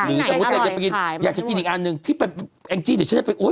หูขลาบตรงแปบมานานตรงติ่นเก้า